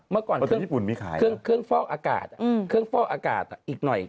เมื่อก่อนเครื่องฟอกอากาศอีกหน่อย